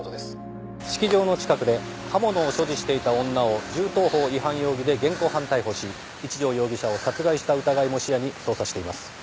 式場の近くで刃物を所持していた女を銃刀法違反容疑で現行犯逮捕し一条容疑者を殺害した疑いも視野に捜査しています。